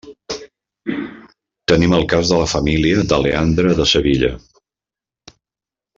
Tenim el cas de la família de Leandre de Sevilla.